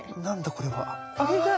これは。あ！